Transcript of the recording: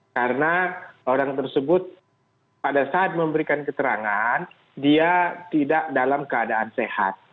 karena orang tersebut pada saat memberikan keterangan dia tidak dalam keadaan sehat